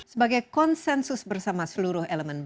sebagai konsensus bersama seluruh elemen